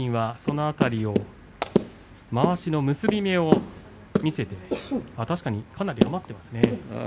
まわしの結び目を見せてかなり余っていますね。